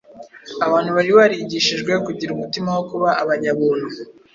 abantu bari barigishijwe kugira umutima wo kuba abanyabuntu